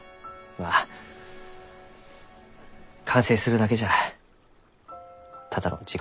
まあ完成するだけじゃただの自己満足じゃ。